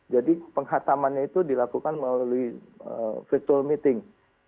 jadi penghatamannya itu dilakukan melalui virtual meeting